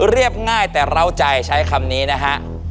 เรียบง่ายแต่เหล้าใจใช้คำนี้นะฮะ